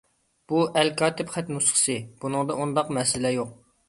بۇ ئەلكاتىپ خەت نۇسخىسى، بۇنىڭدا ئۇنداق مەسىلە يوق.